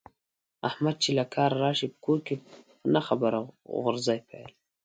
احمد چې له کاره راشي، په کور کې په نه خبره غورزی پیل کړي.